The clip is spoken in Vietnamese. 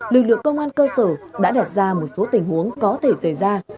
lực lượng công an cơ sở đã đặt ra một số tình huống có thể xảy ra